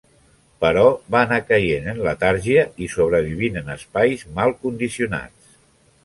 Però va anar caient en letargia i, sobrevivint en espais mal condicionats.